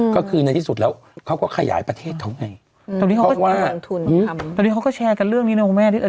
ก็คือในที่สุดแล้วเขาก็ขยายประเทศเขาไงตรงที่เขาบอกว่าตอนนี้เขาก็แชร์กันเรื่องนี้นะคุณแม่